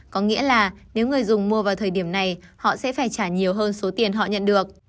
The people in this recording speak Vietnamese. có nghĩa là nếu người dùng mua vào thời điểm này họ sẽ phải trả nhiều hơn số tiền họ nhận được